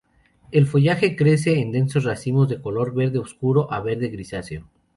El follaje crece en densos racimos, de color verde oscuro a verde grisáceo.